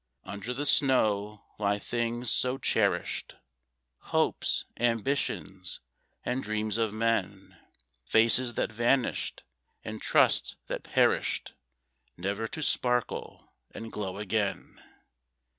Under the snow lie things so cherished Hopes, ambitions, and dreams of men Faces that vanished, and trusts that perished, Never to sparkle and glow again.